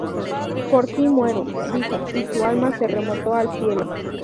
Por ti muero, dijo, y su alma se remontó al cielo.